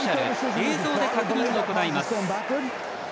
映像で確認を行います。